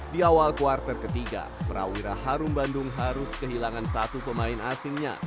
di awal kuartal ketiga prawira harum bandung harus kehilangan satu pemain asingnya